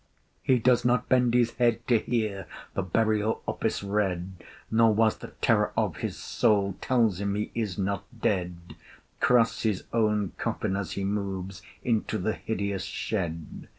He does not bend his head to hear The Burial Office read, Nor, while the terror of his soul Tells him he is not dead, Cross his own coffin, as he moves Into the hideous shed.